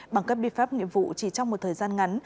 bằng các biệt pháp nghiệp vụ chỉ trong một thời gian ngắn